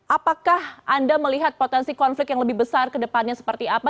apakah anda melihat potensi konflik yang lebih besar ke depannya seperti apa